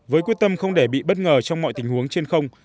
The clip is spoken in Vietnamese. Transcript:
với quyết tâm không để bị bất ngờ trong mọi tình huống trên không